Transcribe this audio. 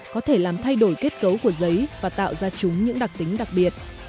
có thể làm thay đổi kết cấu của giấy và tạo ra chúng những đặc tính đặc biệt